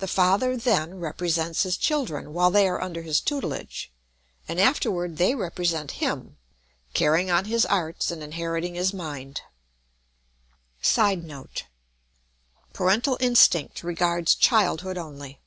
The father then represents his children while they are under his tutelage, and afterward they represent him, carrying on his arts and inheriting his mind. [Sidenote: Parental instinct regards childhood only.